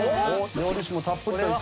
料理酒もたっぷりといく。